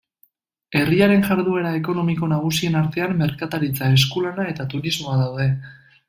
Herriaren jarduera ekonomiko nagusien artean merkataritza, eskulana eta turismoa daude.